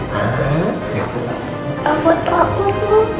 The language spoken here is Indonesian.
amat aku tuh